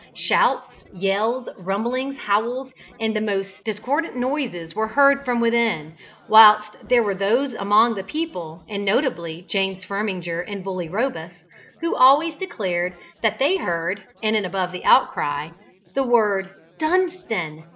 Shouts, yells, rumblings, howls, and the most discordant noises were heard within, whilst there were those among the people, and notably James Firminger and Bully Robus, who always declared that they heard, in and above the outcry, the word, "Dunstan!